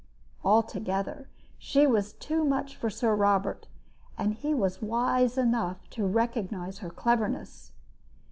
Altogether, she was too much for Sir Robert, and he was wise enough to recognize her cleverness.